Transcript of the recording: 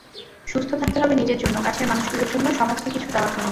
সুস্থ থাকতে হবে নিজের জন্য, কাছের মানুষগুলোর জন্য, সমাজকে কিছু দেওয়ার জন্য।